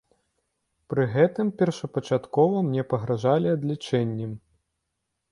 Пры гэтым першапачаткова мне пагражалі адлічэннем.